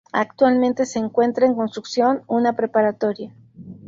Actualmente se encuentra en construcción una preparatoria.